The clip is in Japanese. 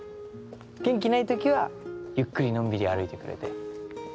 元気ない時はゆっくりのんびり歩いてくれて。